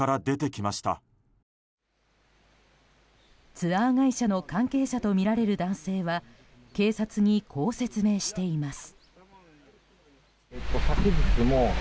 ツアー会社の関係者とみられる男性は警察に、こう説明しています。